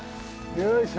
よいしょ。